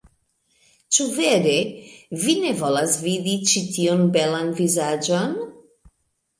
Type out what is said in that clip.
Ĉu vere? Vi ne volas vidi ĉi tiun belan vizaĝon?